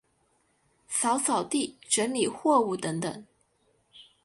扫扫地、整理货物等等